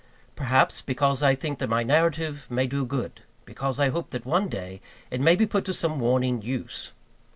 Perhaps, because I think that my narrative may do good; because I hope that, one day, it may be put to some warning use.